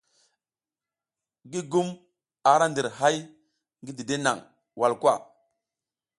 Gigum ara ndir hay ngi dide nang walkwa.